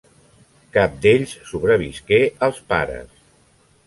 Cap d'ells sobrevisqué als pares.